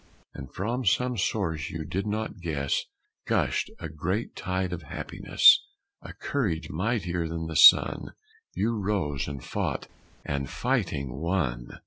And from some source you did not guess Gushed a great tide of happiness A courage mightier than the sun You rose and fought and, fighting, won!